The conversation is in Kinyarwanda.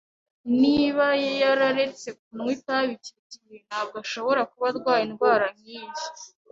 [T] Niba yararetse kunywa itabi icyo gihe, ntabwo ashobora kuba arwaye indwara nkiyi.